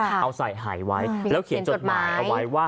เอาใส่หายไว้แล้วเขียนจดหมายเอาไว้ว่า